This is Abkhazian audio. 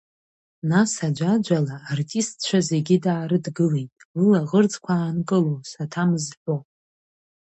Нас аӡәаӡәала артистцәа зегьы даарыдгылеит, лылаӷырӡқәа аанкыло, саҭамыз ҳәо.